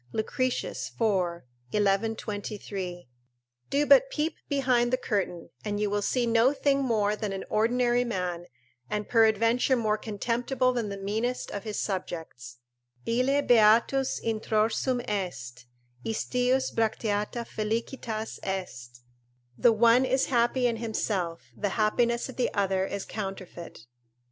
Lucretius, iv. 1123.] do but peep behind the curtain, and you will see no thing more than an ordinary man, and peradventure more contemptible than the meanest of his subjects: "Ille beatus introrsum est, istius bracteata felicitas est;" ["The one is happy in himself; the happiness of the other is counterfeit."